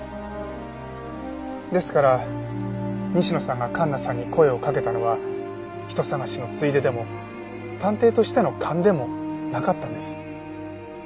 ですから西野さんが環奈さんに声をかけたのは人捜しのついででも探偵としての勘でもなかったんです。